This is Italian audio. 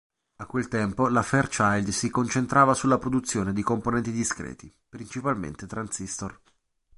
A quel tempo, la Fairchild si concentrava sulla produzione di componenti discreti, principalmente transistor.